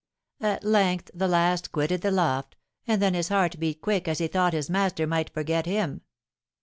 At length the last quitted the loft, and then his heart beat quick as he thought his master might forget him.